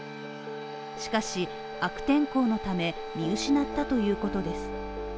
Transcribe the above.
しかし悪天候のため見失ったということです。